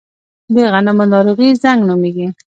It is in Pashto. د غنمو ناروغي زنګ نومیږي.